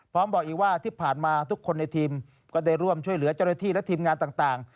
บอกอีกว่าที่ผ่านมาทุกคนในทีมก็ได้ร่วมช่วยเหลือเจ้าหน้าที่และทีมงานต่าง